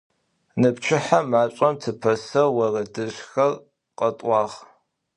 Ныпчыхьэ машӀом тыпэсэу орэдыжъхэр къэтӀуагъ.